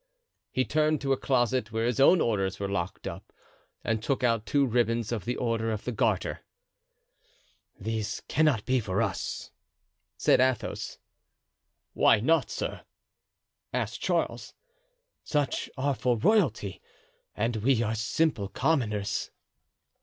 He turned to a closet where his own orders were locked up, and took out two ribbons of the Order of the Garter. "These cannot be for us," said Athos. "Why not, sir?" asked Charles. "Such are for royalty, and we are simple commoners."